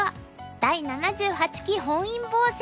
第７８期本因坊戦」。